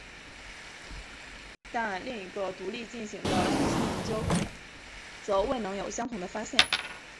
但另一个独立进行的重新研究则未能有相同的发现。